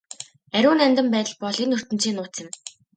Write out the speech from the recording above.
Ариун нандин байдал бол энэ ертөнцийн нууц юм.